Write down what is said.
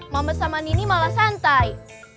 mama sama nini malah santai